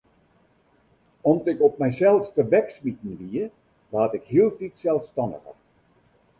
Om't ik op mysels tebeksmiten wie, waard ik hieltyd selsstanniger.